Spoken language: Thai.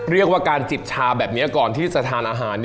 เรียกว่าการจิบชาแบบนี้ก่อนที่จะทานอาหาร